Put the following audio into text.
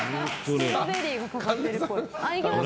ストロベリーかかってるっぽい。